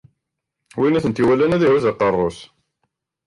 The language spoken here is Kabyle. Win i ten-iwalan, ad ihuzz aqerru-s.